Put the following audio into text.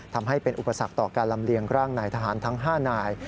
ทำให้เป็นอุปสรรคต่อการลำเลียงร่างนายทหารทั้ง๕นาย